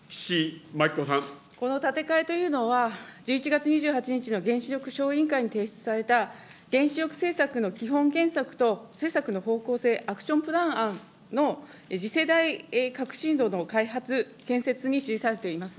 この建て替えというのは、１１月２８日の原子力小委員会に提出された原子力政策の基本原則と施策の方向性、アクションプラン案の次世代革新炉の開発、建設に記されています。